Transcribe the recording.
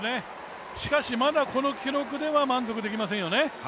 しかしまだこの記録では満足できませんよね。